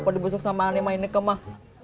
kok dibesuk sama ani sama ineke mah